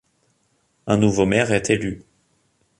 Un nouveau maire est élu.